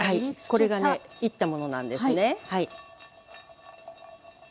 これがねいったものなんですねはい。